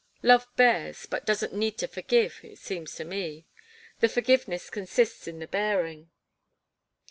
Love bears, but doesn't need to forgive, it seems to me. The forgiveness consists in the bearing.